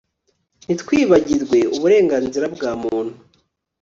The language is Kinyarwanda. Ntitwibagirwe uburenganzira bwa muntu